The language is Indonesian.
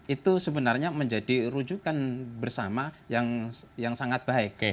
itu sebenarnya menjadi rujukan bersama yang sangat baik